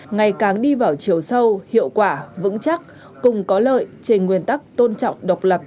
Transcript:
ngày càng đi vào chiều sâu hiệu quả vững chắc cùng có lợi trên nguyên tắc tôn trọng độc lập